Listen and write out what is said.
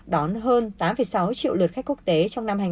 đón hơn tám sáu triệu lượt khách quốc tế trong năm hai nghìn một mươi chín